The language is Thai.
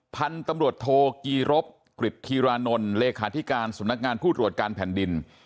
พันธุ์ตำรวจโทกีรบกริจธีรานนท์เลขาธิการสำนักงานผู้ตรวจการแผ่นดิน